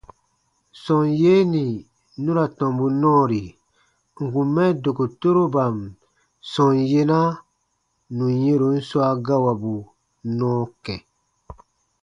Sɔm yee nì nu ra tɔmbu nɔɔri ǹ kun mɛ dokotoroban sɔm yena nù yɛ̃ron swa gawabu nɔɔ kã.